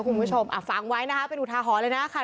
คุณผู้ชมฟังไว้นะคะเป็นอุทาหรณ์เลยนะค่ะ